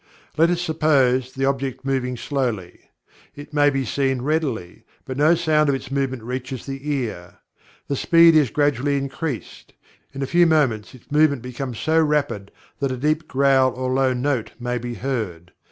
Let us suppose the object moving slowly. It may be seen readily, but no sound of its movement reaches the ear. The speed is gradually increased. In a few moments its movement becomes so rapid that a deep growl or low note may be heard.